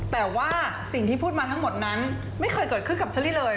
แต่ว่าสิ่งที่พูดมาทั้งหมดนั้นไม่เคยเกิดขึ้นกับเชอรี่เลย